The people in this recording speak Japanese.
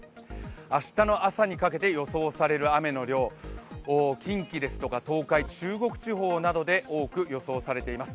明日の朝にかけて予想される雨の量、近畿ですとか東海、中国地方などで多く予想されています。